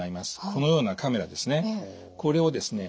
このようなカメラですね。